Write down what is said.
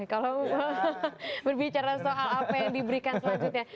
kalau berbicara soal apa yang diberikan selanjutnya